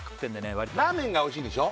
わりとラーメンがおいしいんでしょ？